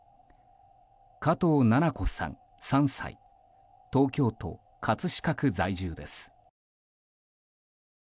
加藤七菜子さん、３歳東京都葛飾区在住です。